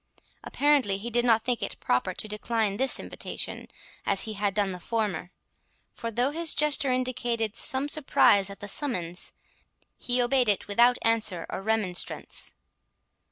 Apparently he did not think it proper to decline this invitation as he had done the former; for, though his gesture indicated some surprise at the summons, he obeyed it without answer or remonstrance.